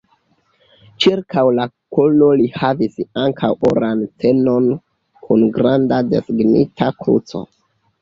Ĉirkaŭ la kolo li havis ankaŭ oran ĉenon kun granda desegnita kruco.